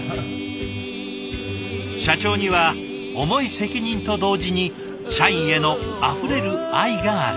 社長には重い責任と同時に社員へのあふれる愛がある。